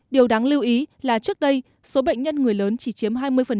điều đáng lưu ý là trước đây số bệnh nhân người lớn chỉ chiếm hai mươi